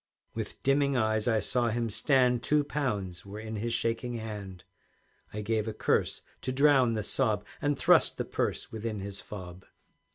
With dimming eyes I saw him stand, Two pounds were in his shaking hand; I gave a curse to drown the sob, And thrust the purse within his fob.